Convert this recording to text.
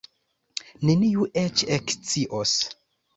Neniu eĉ ekscios.